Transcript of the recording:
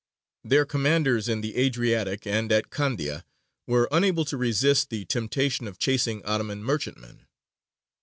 Their commanders in the Adriatic and at Candia were unable to resist the temptation of chasing Ottoman merchantmen.